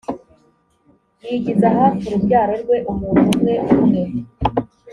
yigiza hafi urubyaro rwe umuntu umwe umwe